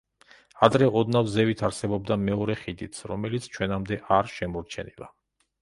ადრე ოდნავ ზევით არსებობდა მეორე ხიდიც, რომელიც ჩვენამდე არ შემორჩენილა.